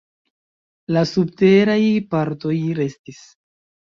La subteraj partoj restis.